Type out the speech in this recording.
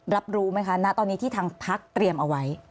รับรู้ไหมคะณตอนนี้ที่ทางพักเตรียมเอาไว้